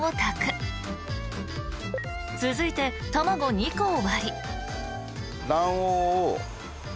［続いて卵２個を割り］